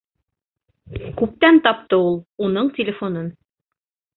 Күптән тапты ул уның телефонын.